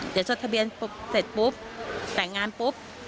เดี๋ยวจดทะเบียนเสร็จปุ๊บแต่งงานปุ๊บ